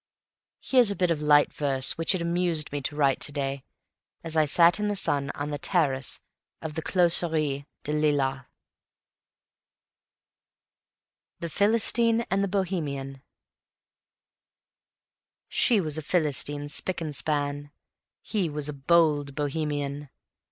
Here's a bit of light verse which it amused me to write to day, as I sat in the sun on the terrace of the Closerie de Lilas: The Philistine and the Bohemian She was a Philistine spick and span, He was a bold Bohemian.